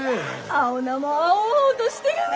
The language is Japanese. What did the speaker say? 青菜も青々としてるね。